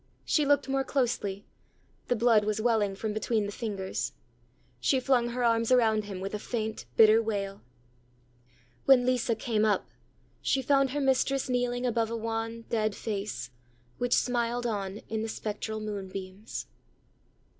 She looked more closely: the blood was welling from between the fingers. She flung her arms around him with a faint bitter wail. When Lisa came up, she found her mistress kneeling above a wan dead face, which smiled on in the spectral moonbeams.